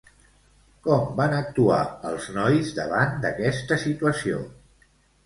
Com van actuar els nois davant d'aquesta situació?